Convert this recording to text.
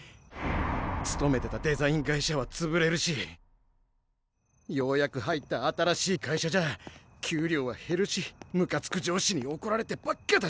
勤めてたデザイン会社はつぶれるしようやく入った新しい会社じゃ給料は減るしムカつく上司におこられてばっかだし。